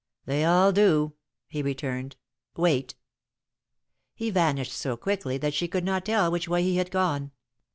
"They all do," he returned. "Wait." He vanished so quickly that she could not tell which way he had gone.